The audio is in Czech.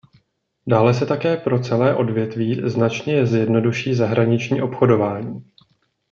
Dále se také pro celé odvětví značně zjednoduší zahraniční obchodování.